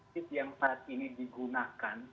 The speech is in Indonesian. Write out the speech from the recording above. kit yang saat ini digunakan